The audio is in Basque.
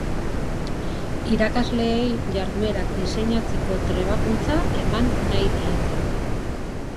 Irakasleei jarduerak diseinatzeko trebakuntza eman nahi diete.